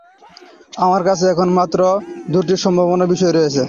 আমাদের কাছে এখন মাত্র দুটি সম্ভাব্য বিষয় রয়েছে।